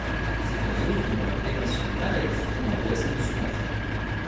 Cet oiseau vit dans la péninsule Malaise et dans l'ouest de Sumatra.